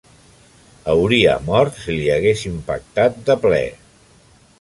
Hauria mort si li hagués impactat de ple.